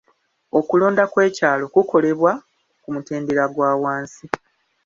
Okulonda kw'ekyalo kukolebwa ku mutendera gwa wansi.